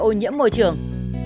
cây ô nhiễm môi trường